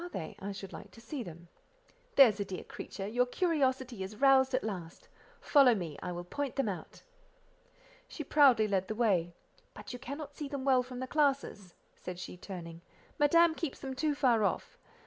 I should like to see them." "There's a dear creature! your curiosity is roused at last. Follow me, I will point them out." She proudly led the way—"But you cannot see them well from the classes," said she, turning, "Madame keeps them too far off.